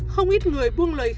không ít người buông lời khen